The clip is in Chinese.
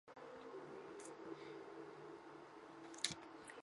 海港中心是加拿大卑诗省温哥华市中心一座地标性建筑。